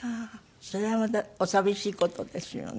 それはまたお寂しい事ですよね。